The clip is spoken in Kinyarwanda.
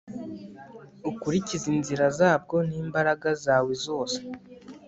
ukurikize inzira zabwo n'imbaraga zawe zose